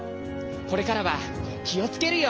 これからはきをつけるよ。